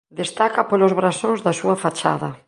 Destaca polos brasóns da súa fachada.